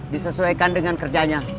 disesuaikan dengan kerjanya